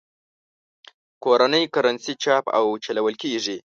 کورنۍ کرنسي چاپ او چلول کېږي.